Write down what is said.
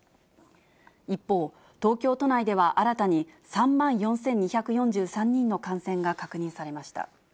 一方、東京都内では新たに３万４２４３人の感染が確認されました。